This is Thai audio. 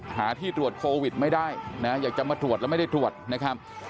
หาที่ตรวจโควิดไม่ได้นะอยากจะมาตรวจแล้วไม่ได้ตรวจนะครับ